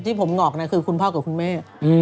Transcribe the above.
ที่ผมหงอกนะคือคุณพ่อกับคุณแม่